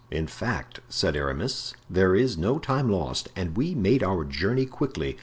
"In fact," said Aramis, "there is no time lost and we made our journey quickly.